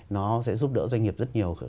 nó sẽ giúp đỡ doanh nghiệp rất nhiều